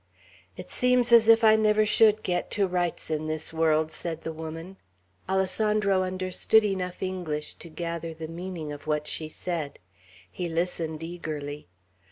"It seems as if I never should get to rights in this world!" said the woman. Alessandro understood enough English to gather the meaning of what she said. He listened eagerly.